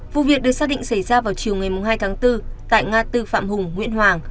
vụ việc được xác định xảy ra vào chiều ngày hai tháng bốn tại ngã tư phạm hùng nguyễn hoàng